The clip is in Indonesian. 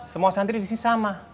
semua santri disini sama